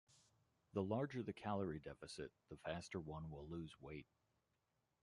The larger the calorie deficit, the faster one will lose weight.